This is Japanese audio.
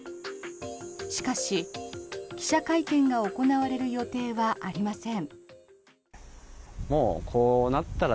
しかし、記者会見が行われる予定はありません。